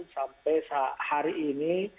sampai hari ini